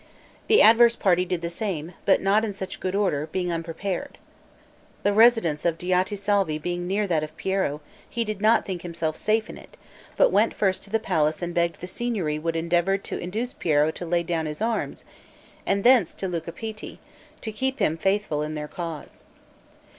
The adverse party did the same, but not in such good order, being unprepared. The residence of Diotisalvi being near that of Piero, he did not think himself safe in it, but first went to the palace and begged the Signory would endeavor to induce Piero to lay down his arms, and thence to Luca Pitti, to keep him faithful in their cause.